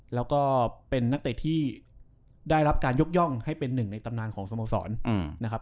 แล้วก็เป็นนักเตะที่ได้รับการยกย่องให้เป็นหนึ่งในตำนานของสโมสรนะครับ